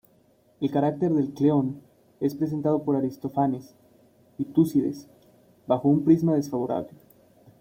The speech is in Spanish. El carácter de Cleón es presentado por Aristófanes y Tucídides bajo un prisma desfavorable.